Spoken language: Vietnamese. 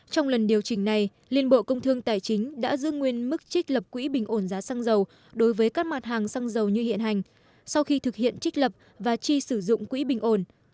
trong lần điều chỉnh này liên bộ công thương tài chính đã giữ nguyên mức trích lập quỹ bình ổn giá xăng dầu đối với các mặt hàng xăng dầu như hiện hành sau khi thực hiện trích lập và chi sử dụng quỹ bình ổn